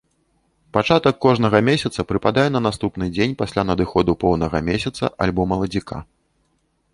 Пачатак кожнага месяца прыпадае на наступны дзень пасля надыходу поўнага месяца альбо маладзіка.